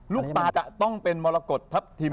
ลูกตาจะต้องเป็นมรกฏทัพทิม